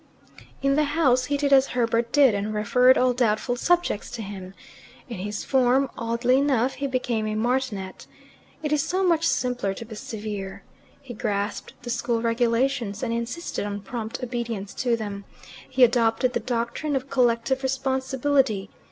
In the house he did as Herbert did, and referred all doubtful subjects to him. In his form, oddly enough, he became a martinet. It is so much simpler to be severe. He grasped the school regulations, and insisted on prompt obedience to them. He adopted the doctrine of collective responsibility.